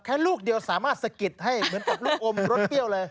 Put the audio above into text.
ลูกเดียวสามารถสะกิดให้เหมือนกับลูกอมรสเปรี้ยวเลย